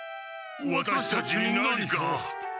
ワタシたちに何か？